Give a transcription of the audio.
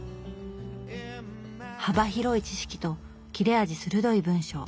幅広い知識と切れ味鋭い文章